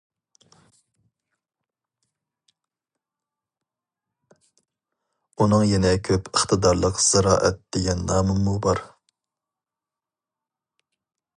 ئۇنىڭ يەنە «كۆپ ئىقتىدارلىق زىرائەت» دېگەن نامىمۇ بار.